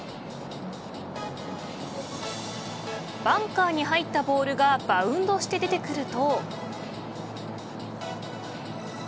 バンカーに入ったボールがバウンドして出てくると。